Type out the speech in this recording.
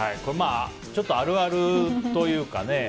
ちょっと、あるあるというかね。